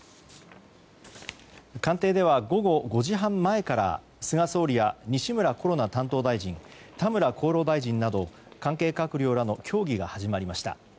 官邸では、午後５時半前から菅総理や西村コロナ担当大臣田村厚労大臣など関係閣僚らの協議が始まりました。